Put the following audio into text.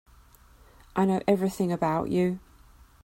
I know everything about you.